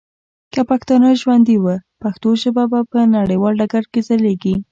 که پښتانه ژوندي وه ، پښتو ژبه به په نړیوال ډګر کي ځلیږي.